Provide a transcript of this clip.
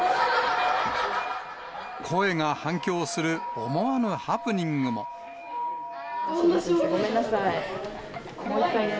声が反響する思わぬハプニンごめんなさい。